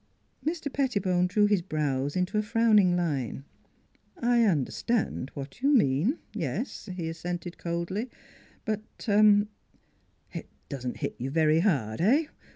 Mr. Pettibone drew his brows into a frowning line. " I understand what you mean yes," he as sented coldly; "but "" It doesn't hit you very hard eh?